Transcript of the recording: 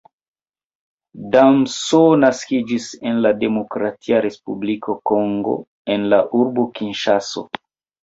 Damso naskiĝis en la Demokratia Respubliko Kongo en la urbo Kinŝaso.